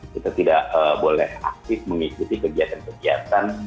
kita tidak boleh aktif mengikuti kegiatan kegiatan